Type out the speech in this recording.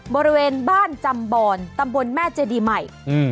บริเวณบ้านจำบอนตำบลแม่เจดีใหม่